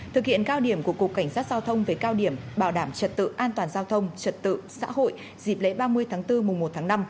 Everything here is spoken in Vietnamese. thực hiện cao điểm của cục cảnh sát giao thông về cao điểm bảo đảm trật tự an toàn giao thông trật tự xã hội dịp lễ ba mươi tháng bốn mùa một tháng năm